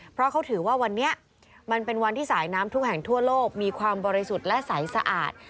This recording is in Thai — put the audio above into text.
เพราะเขาถือว่าวันนี้มันเป็นวันที่สายน้ำทุกแห่งทั่วโลกมีความบริสุทธิ์และใสสะอาด